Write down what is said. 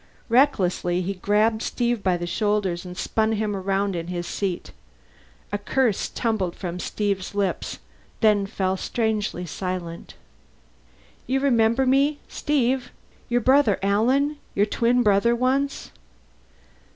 Recklessly he grabbed Steve by the shoulders and spun him around in his seat. A curse tumbled from Steve's lips; then he fell strangely silent. "You remember me, Steve? Your brother Alan. Your twin brother, once."